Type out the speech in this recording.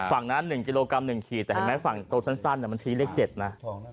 ฝั่งนั้น๑กิโลกรัม๑ขีดแต่ฝั่งตัวสั้นมันใช้เลข๗นะ